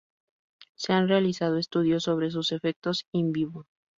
Se han realizado estudios sobre sus efectos in vivo.